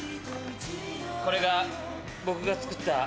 ・これが僕が作った。